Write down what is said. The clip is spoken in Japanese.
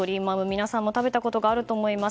皆さんも食べたことがあると思います。